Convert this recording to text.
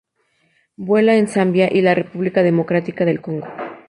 Vuela en Zambia y la República Democrática del Congo.